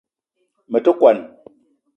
Me te kwuan